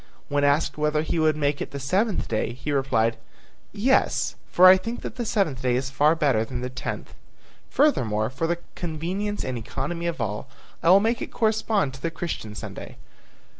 When asked whether he would make it the seventh day, he replied, "Yes, for I think that the seventh day is far better than the tenth. Furthermore, for the convenience and economy of all, I will make it correspond to the Christian Sunday.